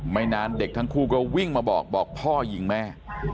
ไม่นานเด็กทั้งคู่ก็วิ่งมาบอกบอกพ่อยิงแม่